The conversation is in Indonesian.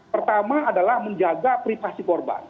pertama adalah menjaga privasi korban